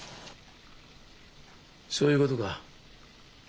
そういうことか。